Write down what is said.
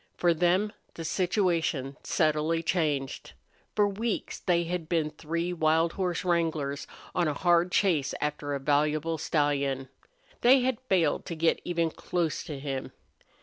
For them the situation subtly changed. For weeks they had been three wild horse wranglers on a hard chase after a valuable stallion. They had failed to get even close to him.